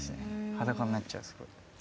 裸になっちゃうすごい。